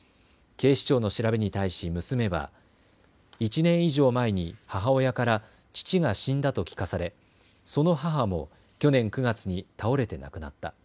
警視庁の調べに対し娘は１年以上前に母親から父が死んだと聞かされ、その母も去年９月に倒れて亡くなった。